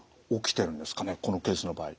このケースの場合。